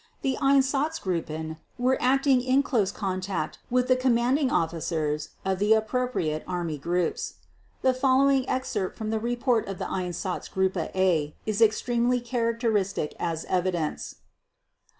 The Einsatzgruppen were acting in close contact with the commanding officers of the appropriate army groups. The following excerpt from the report of Einsatzgruppe "A" is extremely characteristic as evidence